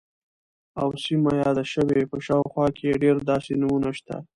او سیمه یاده شوې، په شاوخوا کې یې ډیر داسې نومونه شته،